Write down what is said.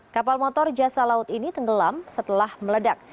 kapal motor jasa laut ini tenggelam setelah meledak